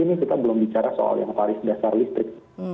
ini kita belum bicara soal yang tarif dasar listrik